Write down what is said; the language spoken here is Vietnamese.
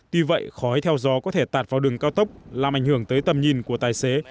tuy vậy khói theo gió có thể tạt vào đường cao tốc làm ảnh hưởng tới tầm nhìn của tài xế